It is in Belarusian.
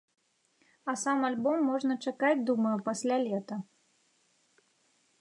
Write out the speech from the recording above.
А сам альбом можна чакаць, думаю, пасля лета.